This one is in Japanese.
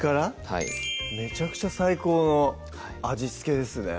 はいめちゃくちゃ最高の味付けですね